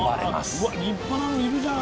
うわっ立派なのいるじゃん。